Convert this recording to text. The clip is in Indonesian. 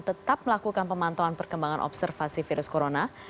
tetap melakukan pemantauan perkembangan observasi virus corona